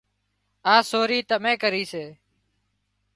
آ سوري تمين ڪري سي